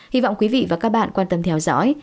hy vọng quý vị và các bạn quan tâm theo dõi